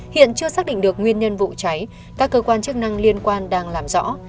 hiện chưa xác định được nguyên nhân vụ cháy các cơ quan chức năng liên quan đang làm rõ